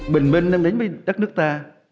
bình minh đang đến với đất nước ta